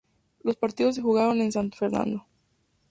Los partidos se jugaron en San Fernando.